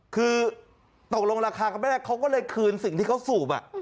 คือตกลงราคากันไม่ได้เขาก็เลยคืนสิ่งที่เขาสูบ